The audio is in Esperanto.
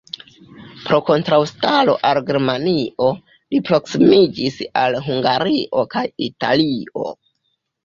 Pro kontraŭstaro al Germanio, li proksimiĝis al Hungario kaj Italio.